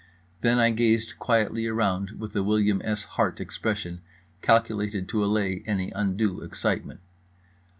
Then I gazed quietly around with a William S. Hart expression calculated to allay any undue excitement.